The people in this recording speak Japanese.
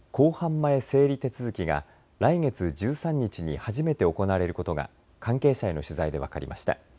前整理手続きが来月１３日に初めて行われることが関係者への取材で分かりました。